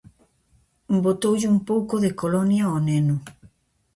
Botoulle un pouco de colonia ao neno.